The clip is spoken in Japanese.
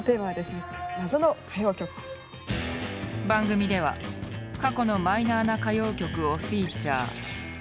番組では過去のマイナーな歌謡曲をフィーチャー。